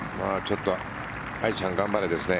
愛ちゃん、頑張れですね。